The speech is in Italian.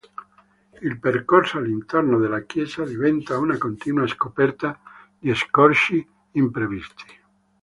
Il percorso all'interno della chiesa diventa una continua scoperta di scorci imprevisti.